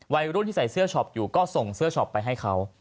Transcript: วัยรุ่นที่ใส่เสื้อช็อปอยู่ก็ส่งเสื้อช็อปไปให้เขา